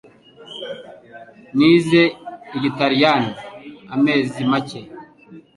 Nize Igitaliyani amezi make.